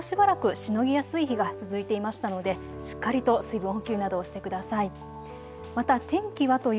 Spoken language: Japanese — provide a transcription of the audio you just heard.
ここしばらくしのぎやすい日が続いていましたのでしっかりと水分補給などをしてください。